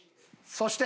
そして。